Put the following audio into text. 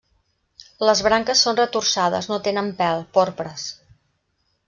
Les branques són retorçades, no tenen pèl, porpres.